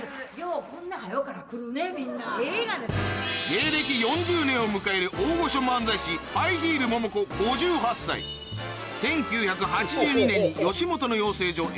芸歴４０年を迎える大御所漫才師ハイヒール・モモコ５８歳１９８２年に吉本の養成所